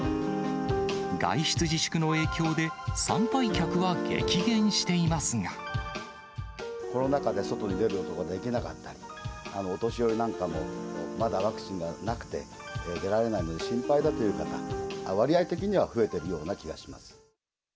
外出自粛の影響で、コロナ禍で外に出ることができなかったり、お年寄りなんかも、まだワクチンがなくて、出られないので心配だという方、割合的には増えてるような気がします。